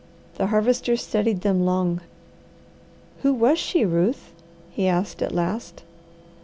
The Harvester studied them long. "Who was she, Ruth?" he asked at last.